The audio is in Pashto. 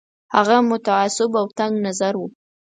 هغه متعصب او تنګ نظر وو.